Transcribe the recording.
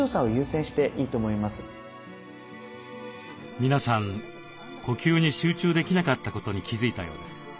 皆さん呼吸に集中できなかったことに気付いたようです。